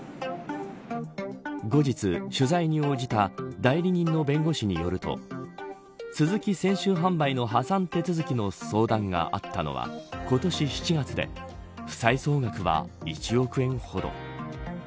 後日、取材に応じた代理人の弁護士によるとスズキ泉州販売の破産手続きの相談があったのは今年７月で負債総額は１億円ほど。